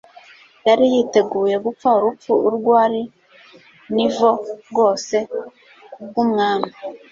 Yari yiteguye gupfa urupfu urwo ari nvo rwose kubw'Umwami.